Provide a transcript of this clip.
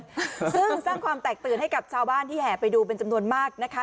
ซึ่งสร้างความแตกตื่นให้กับชาวบ้านที่แห่ไปดูเป็นจำนวนมากนะคะ